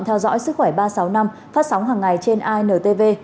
theo dõi sức khỏe ba trăm sáu mươi năm phát sóng hằng ngày trên intv